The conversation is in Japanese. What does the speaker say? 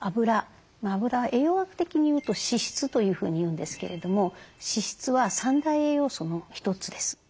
あぶらは栄養学的に言うと脂質というふうに言うんですけれども脂質は３大栄養素の一つです。